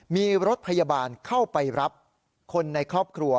มีรถพยาบาลเข้าไปรับคนในครอบครัว